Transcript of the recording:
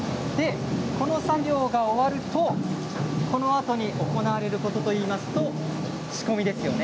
この作業が終わるとこのあとに行われることといいますと仕込みですよね。